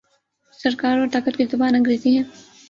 سرکار اور طاقت کی زبان انگریزی ہے۔